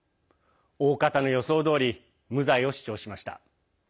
おおかたの予想どおり無罪を主張しました。